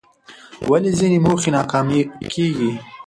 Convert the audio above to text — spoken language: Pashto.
ولې ځینې موخې ناکامه کېږي؟